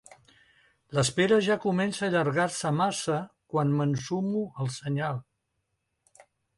L'espera ja comença a allargar-se massa quan m'ensumo el senyal.